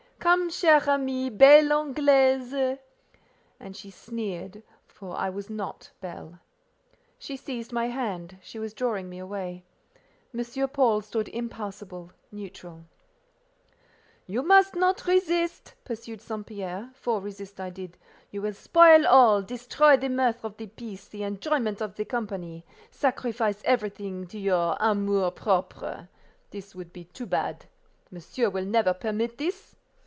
Come, chère amie—belle Anglaise!" And she sneered, for I was not "belle." She seized my hand, she was drawing me away. M. Paul stood impassable—neutral. "You must not resist," pursued St. Pierre—for resist I did. "You will spoil all, destroy the mirth of the piece, the enjoyment of the company, sacrifice everything to your amour propre. This would be too bad—monsieur will never permit this?"